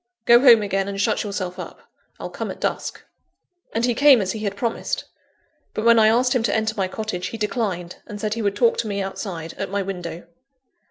"Go home again, and shut yourself up; I'll come at dusk." And he came as he had promised. But when I asked him to enter my cottage, he declined, and said he would talk to me outside, at my window.